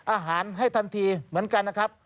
อาหารให้ทันทีเหมือนกันนะครับ